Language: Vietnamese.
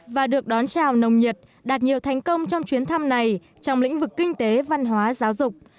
và được đón chào nồng nhiệt đạt nhiều thành công trong chuyến thăm này trong lĩnh vực kinh tế văn hóa giáo dục